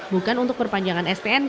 bukan untuk perpanjangan stnk